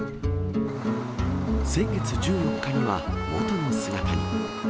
先月１４日には元の姿に。